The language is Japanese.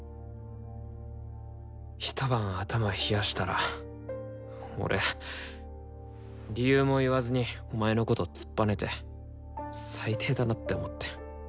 一晩頭冷やしたら俺理由も言わずにお前のこと突っぱねて最低だなって思って。